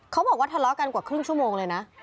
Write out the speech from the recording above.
เขาบอกว่าทะเลาะกันกว่าครึ่งชั่วโมงเลยนะ